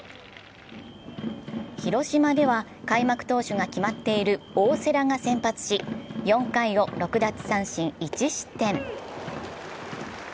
広島では開幕投手が決まっている大瀬良が先発し、４回を６奪三振１失点。